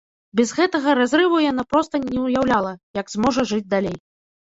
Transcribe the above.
Без гэтага разрыву яна проста не ўяўляла, як зможа жыць далей.